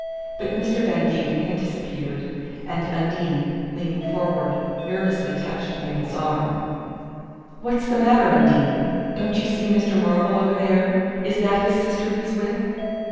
But Mr. Van Degen had disappeared, and Undine, leaning forward, nervously touched Mabel's arm. "What's the matter. Undine? Don't you see Mr. Marvell over there? Is that his sister he's with?"